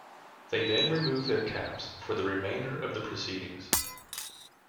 They then remove their caps for the remainder of the proceedings.